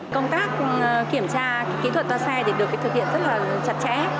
công tác kiểm tra kỹ thuật toa xe được thực hiện rất chặt chẽ